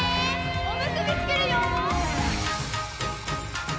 おむすびつくるよ。